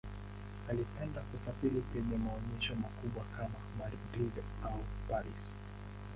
Alipenda kusafiri penye maonyesho makubwa kama Madrid au Paris.